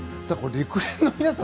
陸連の皆さん